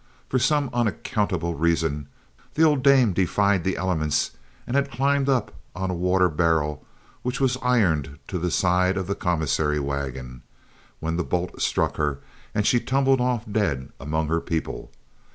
For some unaccountable reason the old dame defied the elements and had climbed up on a water barrel which was ironed to the side of the commissary wagon, when the bolt struck her and she tumbled off dead among her people.